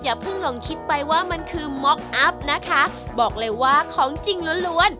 อย่าเพิ่งลองคิดไปว่ามันคือม็อกอัพนะคะบอกเลยว่าของจริงล้วนล้วน